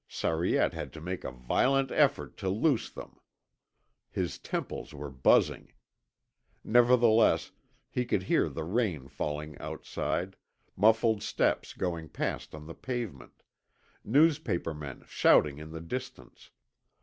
Sariette had to make a violent effort to loose them. His temples were buzzing. Nevertheless he could hear the rain falling outside, muffled steps going past on the pavement, newspaper men shouting in the distance.